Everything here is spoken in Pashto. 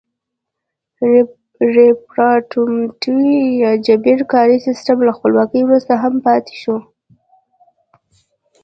ریپارټمنټو یا جبري کاري سیستم له خپلواکۍ وروسته هم پاتې شو.